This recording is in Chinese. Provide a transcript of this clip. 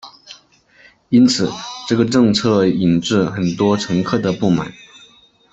因此这个政策引致很多乘客的不满。